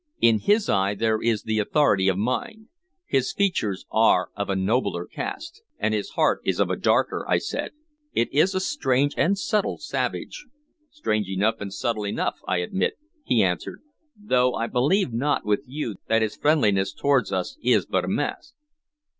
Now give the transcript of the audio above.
In his eye there is the authority of mind; his features are of a nobler cast " "And his heart is of a darker," I said. "It is a strange and subtle savage." "Strange enough and subtle enough, I admit," he answered, "though I believe not with you that his friendliness toward us is but a mask."